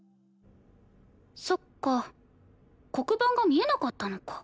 そっか黒板が見えなかったのか。